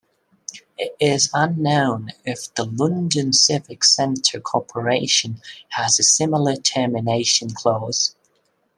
It is unknown if the London Civic Centre Corporation has a similar termination clause.